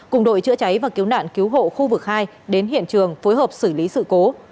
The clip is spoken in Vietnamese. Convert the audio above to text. cùng đội chữa cháy và cứu nạn cứu hộ khu vực hai đến hiện trường phối hợp xử lý sự cố